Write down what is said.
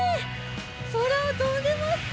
そらをとんでますね。